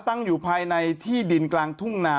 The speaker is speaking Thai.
ตั้งอยู่ภายในที่ดินกลางทุ่งนา